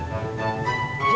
ya udah ylu